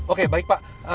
oke baik pak